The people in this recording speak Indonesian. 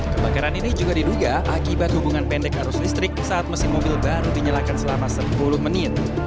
kebakaran ini juga diduga akibat hubungan pendek arus listrik saat mesin mobil baru dinyalakan selama sepuluh menit